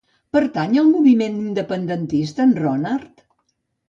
Pertany al moviment independentista el Ronard?